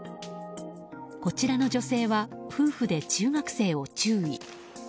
こちらの女性は夫婦で中学生を注意。